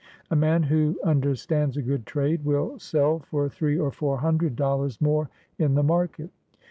A man who under stands a good trade will sell for three or four hundred dollars more in the market.